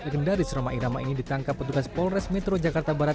legendaris roma irama ini ditangkap petugas polres metro jakarta barat